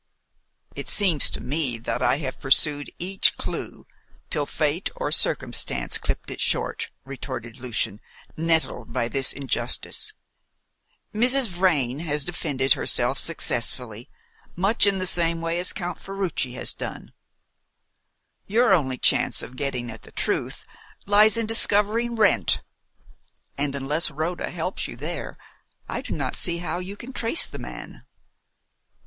"It seems to me that I have pursued each clue until fate or circumstance clipped it short," retorted Lucian, nettled by this injustice. "Mrs. Vrain has defended herself successfully, much in the same way as Count Ferruci has done. Your only chance of getting at the truth lies in discovering Wrent; and unless Rhoda helps you there, I do not see how you can trace the man."